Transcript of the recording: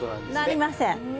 なりません。